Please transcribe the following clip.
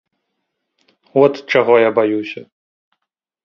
От чаго я баюся.